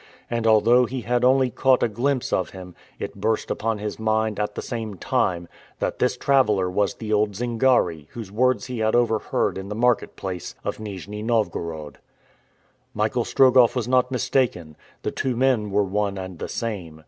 And, although he had only caught a glimpse of him, it burst upon his mind, at the same time, that this traveler was the old Zingari whose words he had overheard in the market place of Nijni Novgorod. Michael Strogoff was not mistaken. The two men were one and the same.